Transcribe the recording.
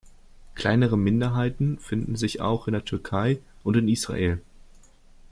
Kleinere Minderheiten finden sich auch in der Türkei und in Israel.